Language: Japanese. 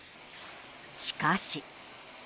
しかし。